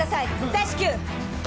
大至急！